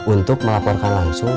untuk melaporkan langsung